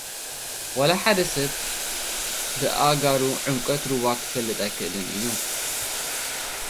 ዋላ ሓደ ሰብ ብኣእጋሩ ዕምቆት ሩባ ኽፈልጥ ኣይኽእልን እዩ።